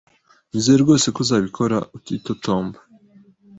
Nizeye rwose ko uzabikora utitotomba